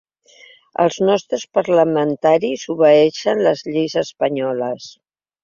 Els ‘nostres’ parlamentaris obeeixen les lleis espanyoles.